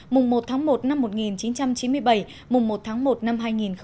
mùng một tháng một năm một nghìn chín trăm chín mươi bảy mùng một tháng một năm hai nghìn hai mươi